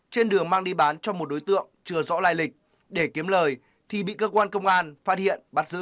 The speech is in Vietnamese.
trên đường mang đi bán cho một đối tượng chưa rõ lai lịch để kiếm lời thì bị cơ quan công an phát hiện bắt giữ